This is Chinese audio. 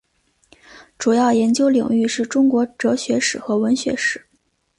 主要研究领域是中国哲学史和文学史。